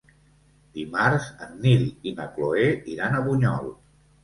Dimarts en Nil i na Cloè iran a Bunyol.